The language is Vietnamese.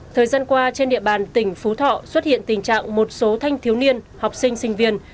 thời gian qua trên địa bàn tỉnh phú thọ xuất hiện tình trạng một số thanh thiếu niên học sinh sinh viên